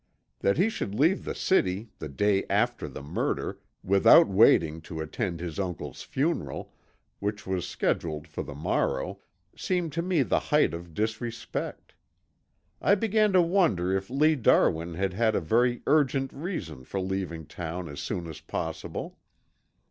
That he should leave the city the day after the murder without waiting to attend his uncle's funeral, which was scheduled for the morrow, seemed to me the height of disrespect. I began to wonder if Lee Darwin had had a very urgent reason for leaving town as soon as possible.